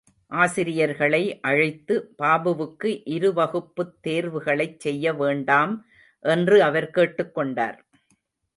ஆசிரியர்களை அழைத்து பாபுவுக்கு இருவகுப்புத் தேர்வுகளைச் செய்ய வேண்டாம் என்று அவர் கேட்டுக் கொண்டார்.